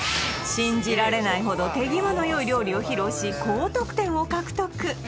信じられないほど手際のよい料理を披露し高得点を獲得！